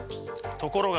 ところが